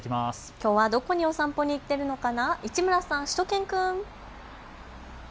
きょうはどこにお散歩に行っているのかな、市村さん、しゅと犬くん。